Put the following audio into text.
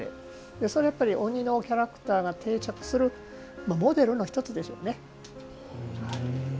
それはやっぱり鬼のキャラクターが定着するモデルの１つでしょうね。